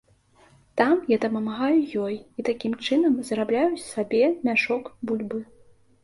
Там я дапамагаю ёй і такім чынам зарабляю сабе мяшок бульбы.